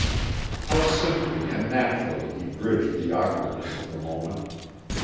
How simply and naturally he bridged the awkwardness of the moment!